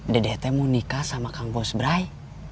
dedeh teh mau nikah sama kang bas brai